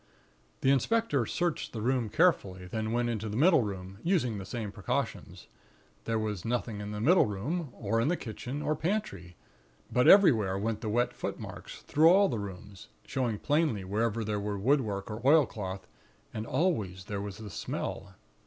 "The inspector searched the room carefully, and then went into the middle room, using the same precautions. There was nothing in the middle room, or in the kitchen or pantry; but everywhere went the wet footmarks through all the rooms, showing plainly wherever there were woodwork or oilcloth; and always there was the smell.